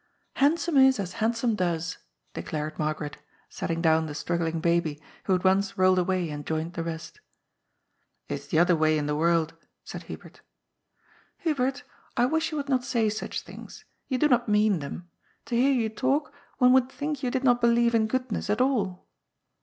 '' Handsome is as handsome does," declared Margaret, setting down the struggling baby, who at once rolled away and joined the rest. " It is the other way in the world," said Hubert. " Hubert, I wish you would not say such things. You do not mean them. To hear you talk one would think you did not believe in goodness at all."